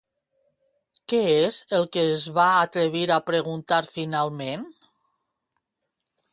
Què és el que es va atrevir a preguntar finalment?